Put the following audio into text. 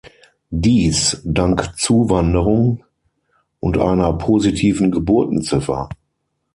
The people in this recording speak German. Dies dank Zuwanderung und einer positiven Geburtenziffer.